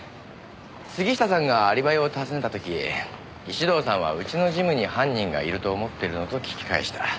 杉下さんがアリバイを訪ねた時石堂さんはうちのジムに犯人がいると思ってるの？と聞き返した。